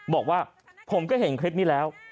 บอกว่าผมก็เห็นคลิปนี้แล้ว